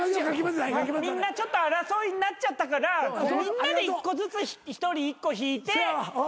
みんなちょっと争いになっちゃったからみんなで１人１個引いて仲良く。